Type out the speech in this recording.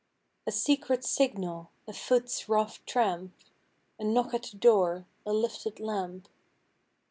A secret signal; a foot's rough tramp; A knock at the door; a lifted lamp.